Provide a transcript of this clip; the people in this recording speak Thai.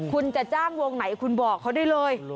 คุณจะจ้างวงไหนคุณบอกเขาได้เลย